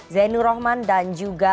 zainul rohman dan juga